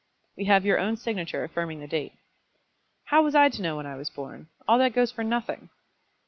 "We have your own signature affirming the date." "How was I to know when I was born? All that goes for nothing."